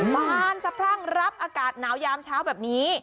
บานสะพรั่งรับอากาศหนาวยามเช้าแบบนี้